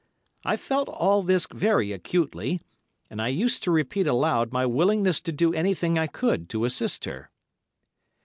I felt all this very acutely, and I used to repeat aloud my willingness to do anything I could to assist her.